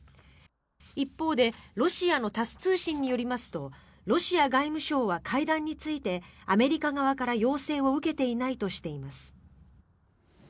一方でロシアのタス通信によりますとロシア外務省は会談についてアメリカ側から要請を受けていないとしています。